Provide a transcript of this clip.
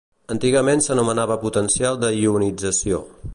Antigament s'anomenava potencial de ionització.